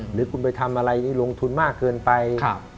หรือคุณไปทำอะไรลงทุนมากเกินไป